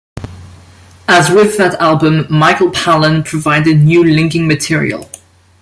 As with that album, Michael Palin provided new linking material.